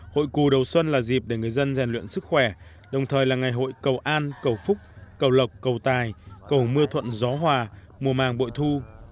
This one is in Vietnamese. hội cù đầu xuân là dịp để người dân rèn luyện sức khỏe đồng thời là ngày hội cầu an cầu phúc cầu lộc cầu tài cầu mưa thuận gió hòa mùa màng bội thu